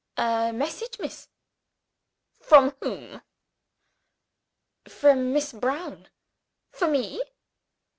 "A message, miss." "From whom?" "From Miss Brown." "For me?"